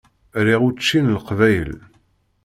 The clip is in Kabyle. Riɣ učči n Leqbayel.